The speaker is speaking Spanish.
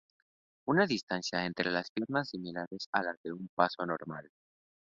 Una distancia entre las piernas similar a la de un paso normal.